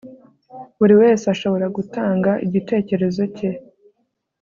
buri wese ashobora gutanga igitekerezo cye